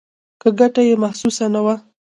که ګټه یې محسوسه نه وه.